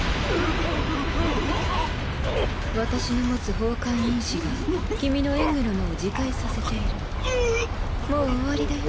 私の持つ崩壊因子が君のエングラムを自壊させているもう終わりだよ